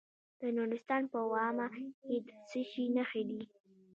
د نورستان په واما کې د څه شي نښې دي؟